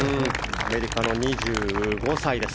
アメリカの２５歳です。